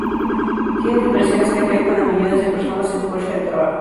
Tienen inversiones que afectan a millones de personas en fuerza de trabajo.